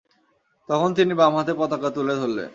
তখন তিনি বাম হাতে পতাকা তুলে ধরলেন।